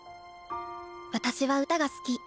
私は歌が好き。